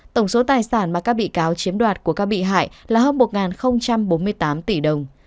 tổng số tài sản mà các bị cáo chiếm đoạt của các bị hại là hơn một bốn mươi tám tỷ đồng